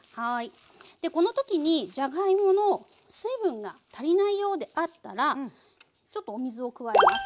このときにじゃがいもの水分が足りないようであったらちょっとお水を加えます。